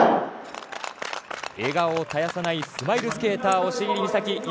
笑顔を絶やさないスマイルスケーター、押切美沙紀。